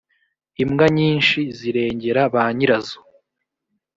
imbwa nyinshi zirengera banyirazo